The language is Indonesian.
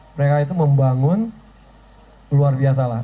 mereka itu membangun luar biasa lah